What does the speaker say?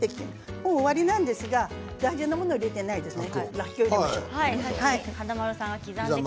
もう終わりなんですが大事なものを入れてないんですね。